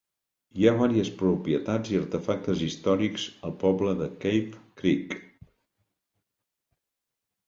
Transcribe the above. Hi ha vàries propietats i artefactes històrics al poble de Cave Creek.